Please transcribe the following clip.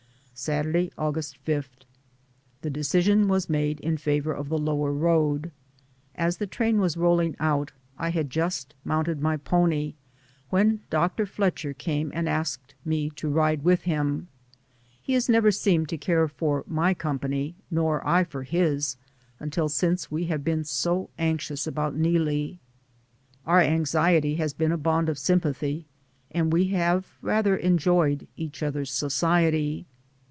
Saturday, August 5. The decision was made in favor of the lower road. As the train was rolling out I 192 DAYS ON THE ROAD. had just mounted my pony, when Dr. Flet cher came and asked me to ride with him. He has never seemed to care for my com pany, nor I for his until since we have been so anxious about Neelie. Our anxiety has been a bond of sympathy, and we have rather enjoyed each other's society.